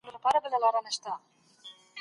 ايا پانګوال زړه نازړه دي؟